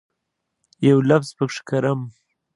یو لفظ پکښې کرم